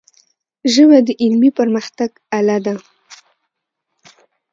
ژبه د علمي پرمختګ آله ده.